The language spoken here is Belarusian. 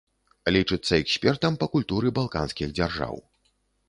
Лічыцца экспертам па культуры балканскіх дзяржаў.